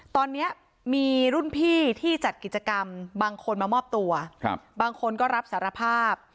ตอนนี้มีรุ่นพี่ที่จัดกิจกรรมบางคนมามอบตัวบางคนก็รับสารภาพ